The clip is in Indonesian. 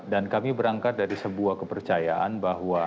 dan kami berangkat dari sebuah kepercayaan bahwa